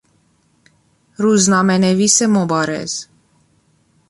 روزنامه نویس مبارز